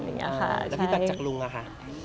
แล้วฟีดแบตจากคุณลุงลุงค่ะ